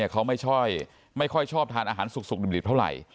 เขาไม่ค่อยชอบทานอาหารสุกดิบเท่าไหร่